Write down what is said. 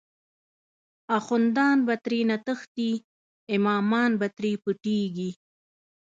اخوندان به ترینه تښتی، امامان به تری پټیږی